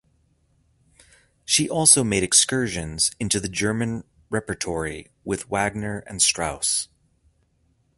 She also made excursions into the German repertory with Wagner and Strauss.